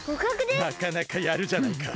なかなかやるじゃないか。